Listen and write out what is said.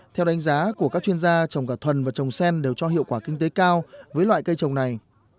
theo đánh giá của các chuyên gia trồng cả thuần và trồng sen đều cho hiệu quả kinh tế cao với loại cây trồng này